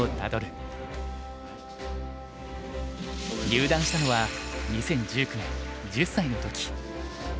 入段したのは２０１９年１０歳の時。